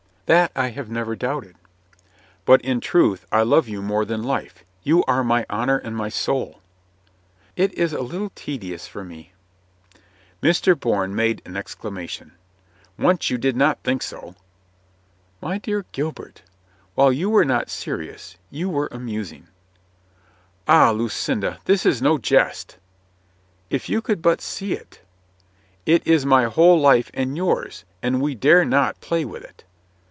"That I have never doubted." "But in truth I love you more than life. You are my honor and my soul." "It is a little tedious for me." Mr. Bourne made an exclamation. "Once you did not think so." "My dear Gilbert, while you were not serious, you were amusing." "Ah, Lucinda, this is no jest !" "If you could but see it !" "It is my whole life and yours, and we dare not play with it."